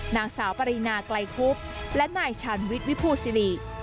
นางสาวปรินาไกลคุบและนายชาญวิทย์วิภูสิริ